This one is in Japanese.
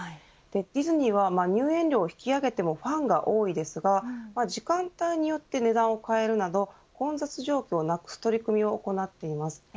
ディズニーは入園料を引き上げてもファンが多いですが時間帯によって値段を変えるなど混雑状況をなくす取り組みを行っています。